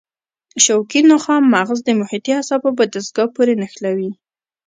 شوکي نخاع مغز د محیطي اعصابو په دستګاه پورې نښلوي.